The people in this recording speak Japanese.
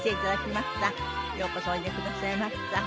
ようこそおいでくださいました。